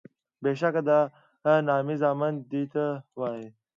بیشکه د نامي زامن دیته وایي